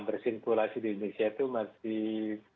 bersirkulasi di indonesia itu masih